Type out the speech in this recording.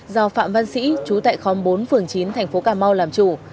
do phạm văn sĩ trú tại khóm bốn phường chín thành phố cà mau làm chủ